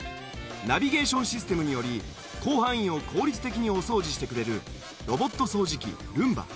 ナビゲーションシステムにより広範囲を効率的にお掃除してくれるロボット掃除機Ｒｏｏｍｂａ。